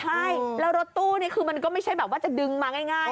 ใช่แล้วรถตู้นี่คือมันก็ไม่ใช่แบบว่าจะดึงมาง่าย